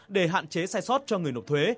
để hạn chế sai sót cho người nộp thuế